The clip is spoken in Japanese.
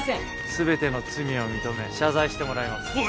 ・全ての罪を認め謝罪してもらいます。